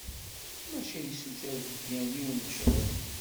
Maca yessuter deg-i yiwen n ccɣel!